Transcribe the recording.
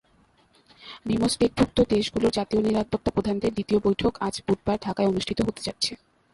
বিমসটেকভুক্ত দেশগুলোর জাতীয় নিরাপত্তাপ্রধানদের দ্বিতীয় বৈঠক আজ বুধবার ঢাকায় অনুষ্ঠিত হতে যাচ্ছে।